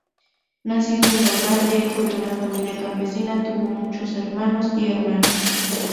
Nacido en Lombardía, hijo de una familia campesina, tuvo muchos hermanos y hermanas.